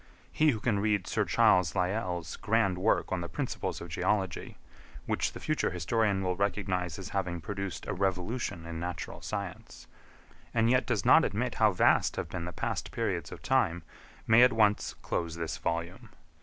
He who can read Sir Charles Lyell's grand work on the Principles of Geology, which the future historian will recognise as having produced a revolution in natural science, and yet does not admit how vast have been the past periods of time, may at once close this volume.